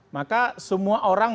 maka semua orang